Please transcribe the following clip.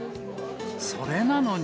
それなのに。